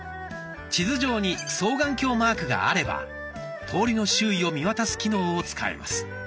地図上に双眼鏡マークがあれば通りの周囲を見渡す機能を使えます。